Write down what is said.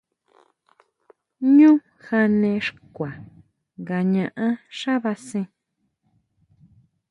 Ñu jane xkuá nga ñaʼán xábasen.